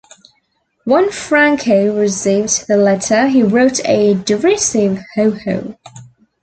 When Franco received the letter, he wrote a derisive Ho-ho.